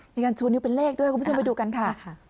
มีการชูนิ้วเป็นเลขด้วยคุณผู้ชมไปดูกันค่ะ